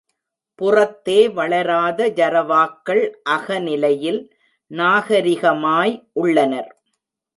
புறத்தே வளராத ஜரவாக்கள் அகநிலையில் நாகரிகமாய் உள்ளனர்.